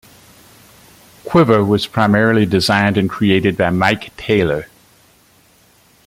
Quiver was primarily designed and created by Mike Taylor.